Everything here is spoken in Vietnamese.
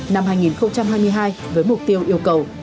năm hai nghìn hai mươi hai với mục tiêu yêu cầu